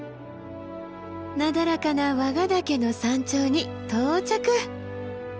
なだらかな和賀岳の山頂に到着。